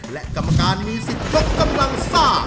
และกรรมการมีสิทธิ์ยกกำลังซ่า